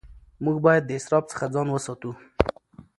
موږ باید د اسراف څخه ځان وساتو